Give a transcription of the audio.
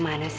ya aku juga